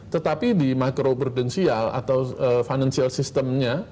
tetapi di makro prudensial atau financial systemnya